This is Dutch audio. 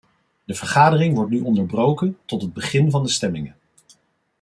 De vergadering wordt nu onderbroken tot het begin van de stemmingen.